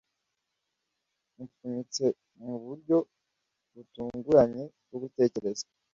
Gupfunyitse muburyo butunguranye bwo gutekereza